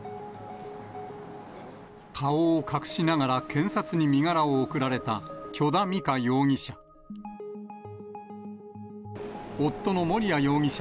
顔を隠しながら検察に身柄を送られた、許田美香容疑者。